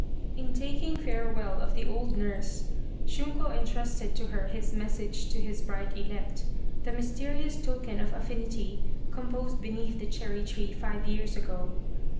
In taking farewell of the old nurse, Shunko entrusted to her his message to his bride elect the mysterious token of affinity composed beneath the cherry tree five years ago.